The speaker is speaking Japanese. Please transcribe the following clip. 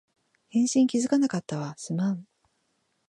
返信気づかなかったわ、すまん